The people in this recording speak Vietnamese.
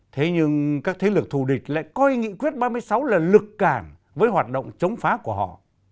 thế nhưng các thế lực thù địch lại coi nghị quyết ba mươi sáu là lực cảng với hoạt động chống phá của họ